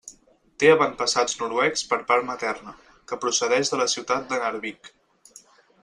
Té avantpassats noruecs per part materna, que procedeix de la ciutat de Narvik.